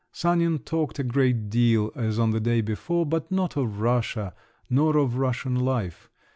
Sanin talked a great deal, as on the day before, but not of Russia, nor of Russian life.